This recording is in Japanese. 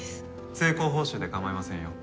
成功報酬で構いませんよ。